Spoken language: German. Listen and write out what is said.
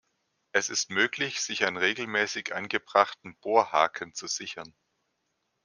Es ist möglich, sich an regelmäßig angebrachten Bohrhaken zu sichern.